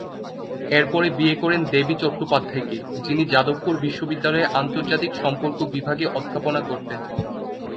এরপরে বিয়ে করেন দেবী চট্টোপাধ্যায়কে, যিনি যাদবপুর বিশ্ববিদ্যালয়ে আন্তর্জাতিক সম্পর্ক বিভাগে অধ্যাপনা করতেন।